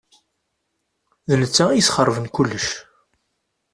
D netta i yesxeṛben kullec.